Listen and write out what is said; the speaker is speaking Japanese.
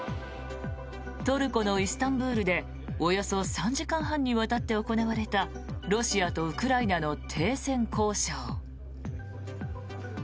トルコのイスタンブールでおよそ３時間半にわたって行われたロシアとウクライナの停戦交渉。